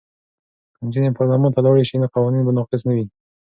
که نجونې پارلمان ته لاړې شي نو قوانین به ناقص نه وي.